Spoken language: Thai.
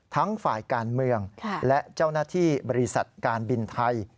ฝ่ายการเมืองและเจ้าหน้าที่บริษัทการบินไทย